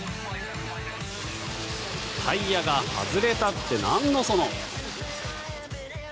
タイヤが外れたってなんのその。